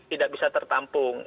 tidak bisa tertampung